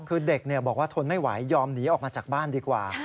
คือเด็กบอกว่าทนไม่ไหวยอมหนีออกมาจากบ้านดีกว่า